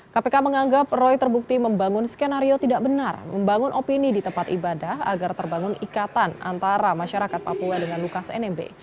kpk menganggap roy terbukti membangun skenario tidak benar membangun opini di tempat ibadah agar terbangun ikatan antara masyarakat papua dengan lukas nmb